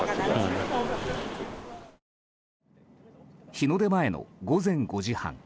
日の出前の午前５時半。